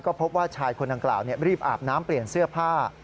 พบว่าชายคนดังกล่าวรีบอาบน้ำเปลี่ยนเสื้อผ้า